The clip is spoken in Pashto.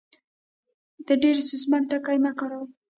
ډېر ستونزمن ټکي مۀ کاروئ